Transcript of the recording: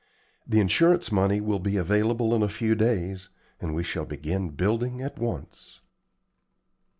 The insurance money will be available in a few days, and we shall begin building at once."